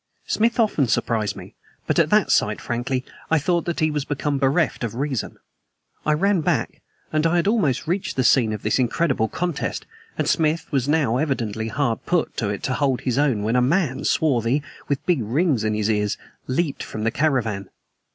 Smith often surprised me, but at that sight, frankly, I thought that he was become bereft of reason. I ran back; and I had almost reached the scene of this incredible contest, and Smith now was evidently hard put to it to hold his own when a man, swarthy, with big rings in his ears, leaped from the caravan.